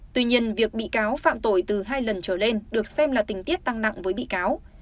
tuy nhiên việc bị cáo phạm tội từ hai lần trở lên được xem là tình tiết tăng nặng với bị cáo